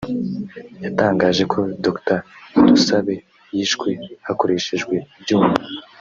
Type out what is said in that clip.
yatangaje ko Dr Dusabe yishwe hakoreshejwe ibyuma